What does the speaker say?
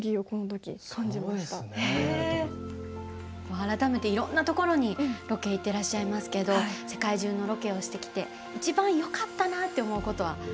改めていろんな所にロケ行ってらっしゃいますけど世界中のロケをしてきて一番よかったなって思うことは何ですか？